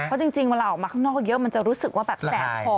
เพราะจริงวันเราออกมาข้างนอกเยอะมันจะรู้สึกแสบคอเลย